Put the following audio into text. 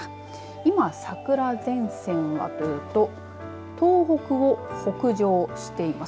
今、桜前線はというと東北を北上しています。